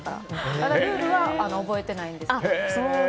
ただ、ルールは覚えてないんですけど。